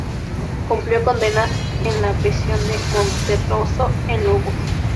Cumplió condena en la prisión de Monterroso, en Lugo.